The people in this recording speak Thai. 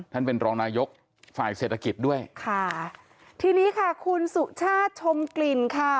ท่านเป็นรองนายกฝ่ายเศรษฐกิจด้วยค่ะทีนี้ค่ะคุณสุชาติชมกลิ่นค่ะ